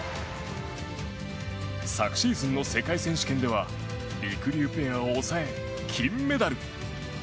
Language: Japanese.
昨シーズンの世界選手権ではりくりゅうペアを抑え金メダル。